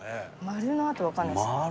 丸の後分かんないです。